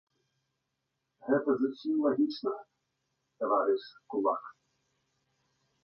Гэта зусім лагічна, таварыш кулак!